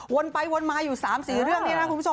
ไปวนมาอยู่๓๔เรื่องนี้นะคุณผู้ชม